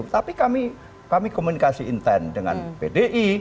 tapi kami komunikasi intent dengan pdi